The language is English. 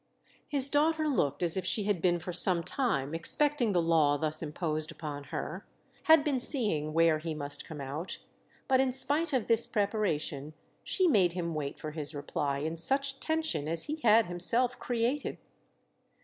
His daughter looked as if she had been for some time expecting the law thus imposed upon her—had been seeing where he must come out; but in spite of this preparation she made him wait for his reply in such tension as he had himself created.